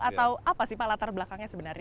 atau apa sih pak latar belakangnya sebenarnya